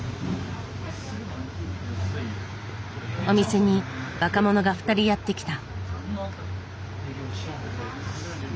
お店に若者が２人やって来た。